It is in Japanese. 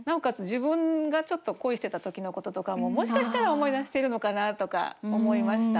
自分がちょっと恋してた時のこととかももしかしたら思い出してるのかなとか思いました。